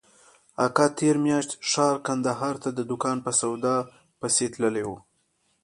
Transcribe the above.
اکا تېره مياشت ښار کندهار ته د دوکان په سودا پسې تللى و.